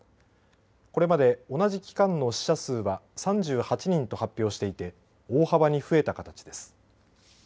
これまで同じ期間の死者数は３８人と発表していて大幅に増えた形です。